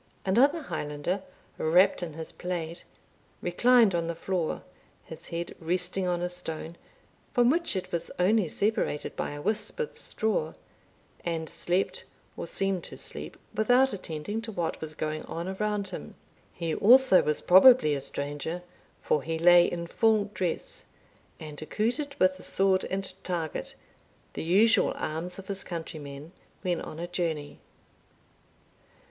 Another Highlander, wrapt in his plaid, reclined on the floor, his head resting on a stone, from which it was only separated by a wisp of straw, and slept or seemed to sleep, without attending to what was going on around him. He also was probably a stranger, for he lay in full dress, and accoutred with the sword and target, the usual arms of his countrymen when on a journey.